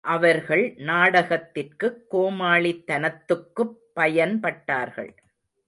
அவர்கள் நாடகத்திற்குக் கோமாளித்தனத்துக்குப் பயன் பட்டார்கள்.